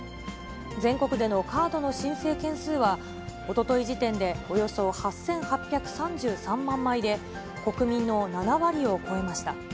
全国でのカードの申請件数は、おととい時点でおよそ８８３３万枚で、国民の７割を超えました。